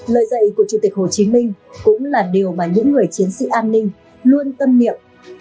lời dạy của chủ tịch hồ chí minh cũng là điều mà những người chiến sĩ an ninh luôn tâm niệm